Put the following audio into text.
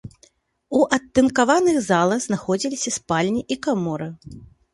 У адтынкаваных залах знаходзіліся спальні і каморы.